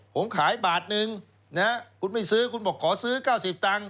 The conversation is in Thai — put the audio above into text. ผมขายบาทหนึ่งนะฮะคุณไม่ซื้อคุณบอกขอซื้อ๙๐ตังค์